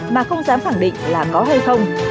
mà không dám khẳng định là có hay không